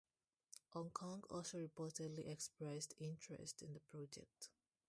Hong Kong also reportedly expressed interest in the project.